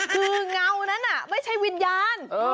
คือเงานั้นไม่ใช่วิญญาณ